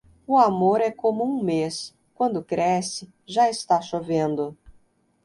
O amor é como um mês; quando cresce, já está chovendo.